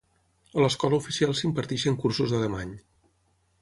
A l'escola oficial s'imparteixen cursos d'alemany.